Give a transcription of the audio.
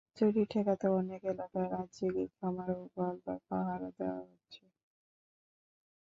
চুরি ঠেকাতে অনেক এলাকায় রাত জেগে খামার ও গোয়ালঘর পাহারা দেওয়া হচ্ছে।